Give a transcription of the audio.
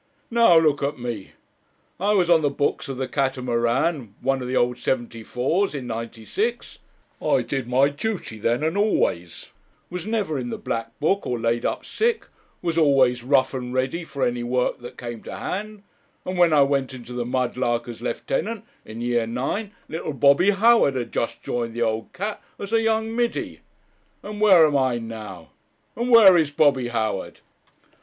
Now look at me; I was on the books of the Catamaran, one of the old seventy fours, in '96; I did my duty then and always; was never in the black book or laid up sick; was always rough and ready for any work that came to hand; and when I went into the Mudlark as lieutenant in year '9, little Bobby Howard had just joined the old Cat. as a young middy. And where am I now? and where is Bobby Howard?